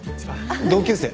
同級生。